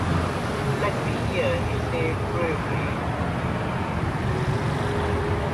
"Let me hear," he said gravely.